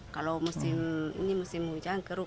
kalau musim hujan keruh